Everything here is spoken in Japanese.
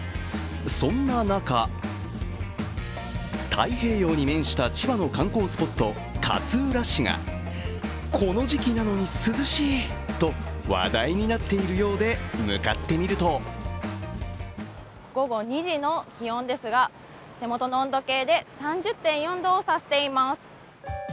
そんな中太平洋に面した千葉の観光スポット、勝浦市が、この時期なのに涼しいと話題になっているようで向かってみると午後２時の気温ですが手元の温度計で３０．４度をさしています。